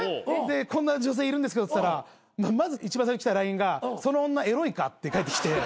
こんな女性いるんですけどっつったらまず一番最初に来たＬＩＮＥが「その女エロいか？」って返ってきて。